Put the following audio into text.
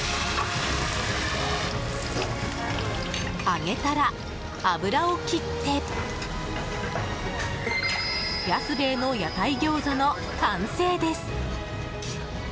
揚げたら、油を切って安兵衛の屋台餃子の完成です。